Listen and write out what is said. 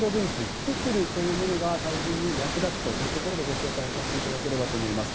キキクルというものが大変に役立つというところでご紹介させていただければと思います。